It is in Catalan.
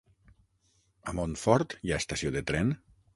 A Montfort hi ha estació de tren?